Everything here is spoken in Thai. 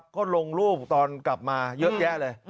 ก็ลงรูปตอนกลับมาเยอะแยะเลย